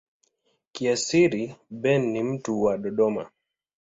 Kiasili Ben ni mtu wa Dodoma.